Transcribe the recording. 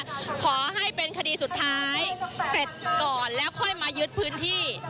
ขอให้เป็นคดีสุดท้ายเสร็จก่อนแล้วค่อยมายึดพื้นที่